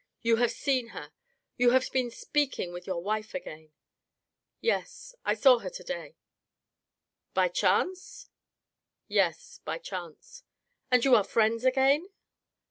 "You have seen her. You have been speaking with your wife again." " Yes, I saw her to day." " By chance ?"" Yes, by chance." " And you are friends again